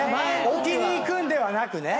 置きにいくんではなくね。